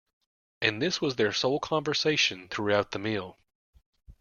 And this was their sole conversation throughout the meal.